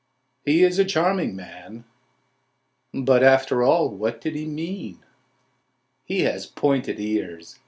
"He is a charming man"—"But after all what did he mean?"— "His pointed ears...